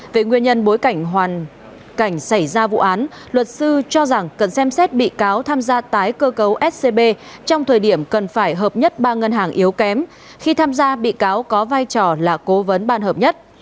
về nguyên nhân bối cảnh hoàn cảnh xảy ra vụ án luật sư cho rằng cần xem xét bị cáo tham gia tái cơ cấu scb trong thời điểm cần phải hợp nhất ba ngân hàng yếu kém khi tham gia bị cáo có vai trò là cố vấn ban hợp nhất